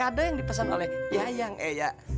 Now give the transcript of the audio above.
karena bang iprah pengen banget ngelamar yayang eyak